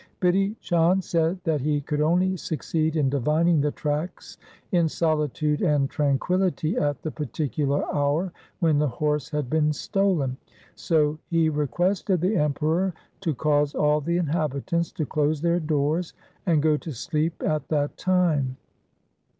Bidhi. Chand said that he could only succeed in divining the tracks in solitude and tranquillity at the particular hour when the horse had been stolen, so he requested the Emperor to cause all the inhabi tants to close their doors and go to sleep at that time.